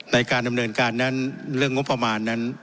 ในการดำเนินการนั้นเรื่องงบประมาณนั้น